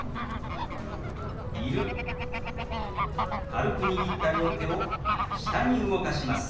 軽く握った両手を下に動かします。